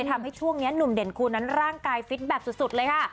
ทำให้ช่วงนี้หนุ่มเด่นคูณนั้นร่างกายฟิตแบบสุดเลยค่ะ